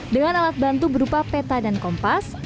dengan alat bantu berupa peta dan kompas